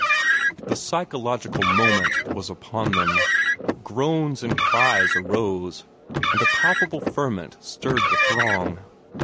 The psychological moment was upon them. Groans and cries arose, and a palpable ferment stirred the throng.